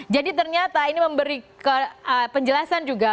jadi ternyata ini memberi penjelasan juga